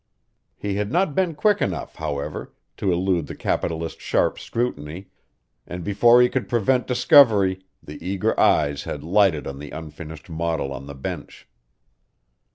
He had not been quick enough, however, to elude the capitalist's sharp scrutiny, and before he could prevent discovery the eager eyes had lighted on the unfinished model on the bench.